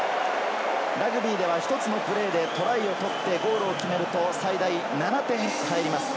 ラグビーでは１つのプレーでトライを取ってゴールを決めると最大７点入ります。